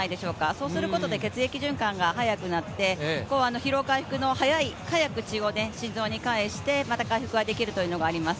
そうすることで血液循環が早くなって、疲労回復、早く血を心臓に返して回復できるというのがあります。